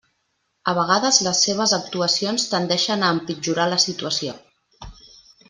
A vegades les seves actuacions tendeixen a empitjorar la situació.